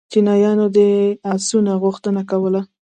چینایانو د دې آسونو غوښتنه کوله